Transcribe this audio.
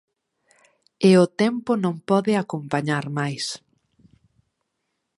E o tempo non pode acompañar máis.